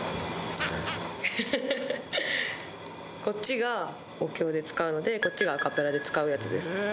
こっちがお経で使うのでこっちがアカペラで使うやつです。